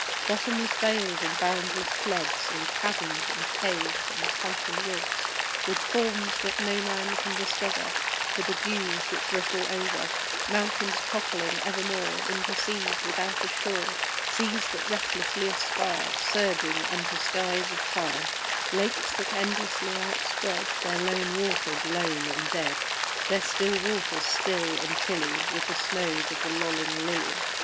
Bottomless vales and boundless floods, And chasms, and caves, and Titan woods, With forms that no man can discover For the dews that drip all over; Mountains toppling evermore Into seas without a shore; Seas that restlessly aspire, Surging, unto skies of fire; Lakes that endlessly outspread Their lone waters lone and dead, Their still waters still and chilly With the snows of the lolling lily.